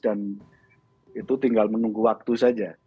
dan itu tinggal menunggu waktu saja